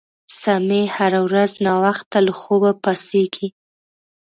سمیع هره ورځ ناوخته له خوبه پاڅیږي